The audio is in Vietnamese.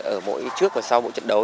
ở mỗi trước và sau mỗi trận đấu